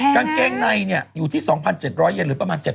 กางเกงในเนี่ยอยู่ที่๒๗๐๐เยนหรือประมาณ๗๘๐บาท